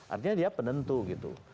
artinya dia penentu gitu